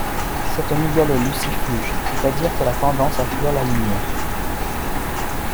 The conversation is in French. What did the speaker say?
Cette mygale est lucifuge, c'est-à-dire qu'elle a tendance à fuir la lumière.